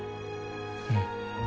うん。